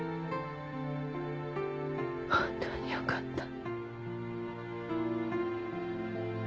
本当によかった。